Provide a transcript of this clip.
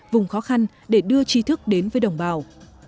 vùng khó khăn để đưa trí thức đến với đồng bào